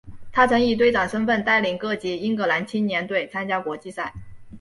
他曾以队长身份带领各级英格兰青年队参加国际赛。